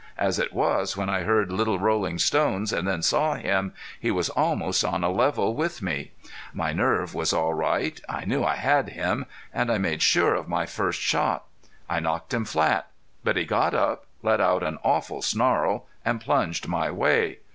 As it was, when I heard little rolling stones, and then saw him, he was almost on a level with me. My nerve was all right. I knew I had him. And I made sure of my first shot. I knocked him flat. But he got up let out an awful snarl and plunged my way.